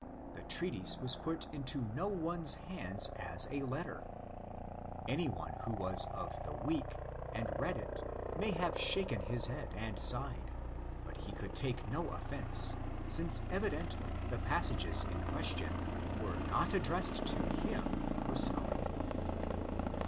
The treatise was put into no one's hands as a letter. THE FIRST EPISTLE 179 Any one who was of the '"' weak" and read it may have shaken his head and sighed; but he could take no offence, since evidently the passages in question were not addressed to him personally.